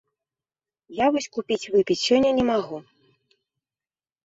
Я вось купіць выпіць сёння не магу.